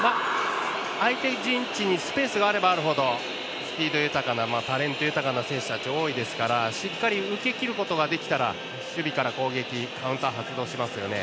相手陣地にスペースがあればあるほどスピード豊かなタレント豊かな選手多いですからしっかり受けきることができたら守備から攻撃カウンター発動しますよね。